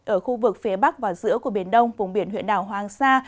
ở khu vực phía bắc và giữa của biển đông vùng biển huyện đảo hoàng sa